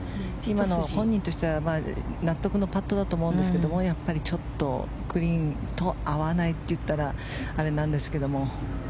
本人としては納得のパットだと思うんですがちょっとグリーンと合わないと言ったらあれなんですけども。